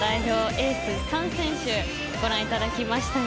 エース３選手をご覧いただきましたが